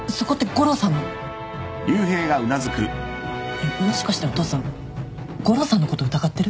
えっもしかしてお父さん悟郎さんのこと疑ってる？